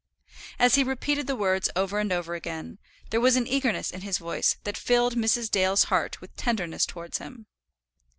As he repeated the words over and over again, there was an eagerness in his voice that filled Mrs. Dale's heart with tenderness towards him.